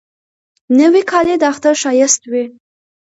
نوې کالی د اختر ښایست وي